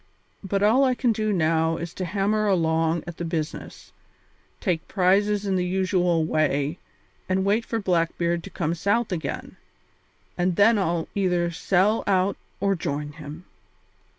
But all I can do now is to hammer along at the business, take prizes in the usual way, and wait for Blackbeard to come south again, and then I'll either sell out or join him."